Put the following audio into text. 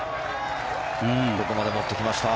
ここまで持ってきました。